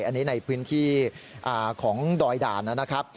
อันนี้ในพื้นที่ของดอยด่านนะครับ